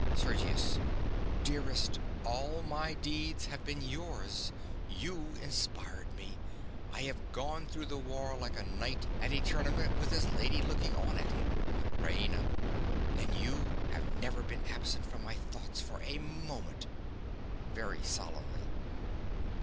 SERGIUS. Dearest, all my deeds have been yours. You inspired me. I have gone through the war like a knight in a tournament with his lady looking on at him! RAINA. And you have never been absent from my thoughts for a moment. (_Very solemnly.